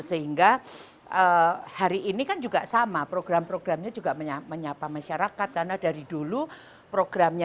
sehingga hari ini kan juga sama program programnya juga menyapa masyarakat karena dari dulu programnya